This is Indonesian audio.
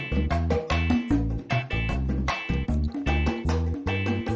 sekarang sekarang pilih anak jotka yang paham astro